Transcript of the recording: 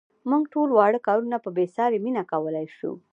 موږ ټول واړه کارونه په بې ساري مینه کولای شو.